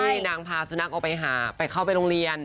นางพาสุนัขออกไปหาไปเข้าไปโรงเรียน